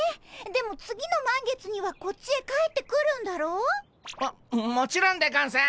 でも次の満月にはこっちへ帰ってくるんだろ？ももちろんでゴンス。